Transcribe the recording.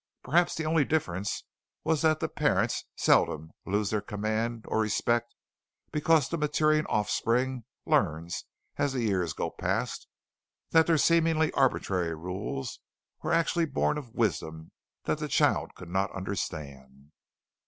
Perhaps the only difference was that parents seldom lose their command of respect because the maturing offspring learns as the years go past that their seemingly arbitrary rules were actually born of wisdom that the child could not understand.